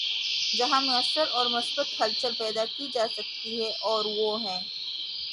جہاں مؤثر اور مثبت ہلچل پیدا کی جا سکتی ہے‘ اور وہ ہے۔